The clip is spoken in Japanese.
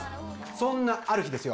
そんなある日ですよ